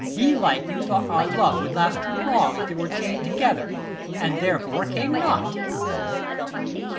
Belike you thought our love would last too long, 25 If it were chain'd together, and therefore came not.